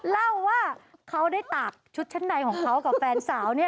เล่าว่าเขาได้ตากชุดชั้นในของเขากับแฟนสาว